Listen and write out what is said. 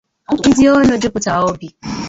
ndị ọnụ jupụtara obi